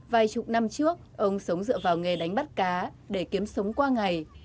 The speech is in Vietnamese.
vài chục năm trước ông sống dựa vào nghề đánh bắt cá để kiếm sống qua ngày